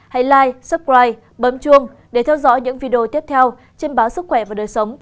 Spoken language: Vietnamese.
hãy like subscribe bấm chuông để theo dõi những video tiếp theo trên báo sức khỏe và đời sống